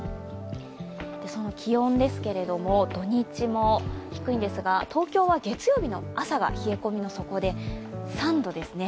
その気温ですけれども土日も低いんですが東京は月曜日の朝が冷え込みの底で、３度ですね。